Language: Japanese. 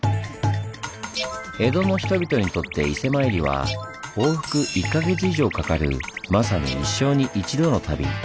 江戸の人々にとって伊勢参りは往復１か月以上かかるまさに一生に一度の旅。